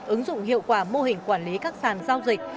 ứng dụng hiệu quả mô hình quản lý các sàn giao dịch